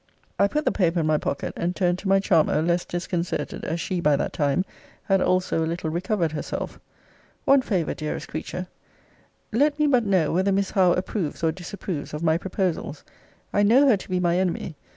I put the paper in my pocket, and turned to my charmer, less disconcerted, as she, by that time, had also a little recovered herself. One favour, dearest creature Let me but know, whether Miss Howe approves or disapproves of my proposals? I know her to be my enemy.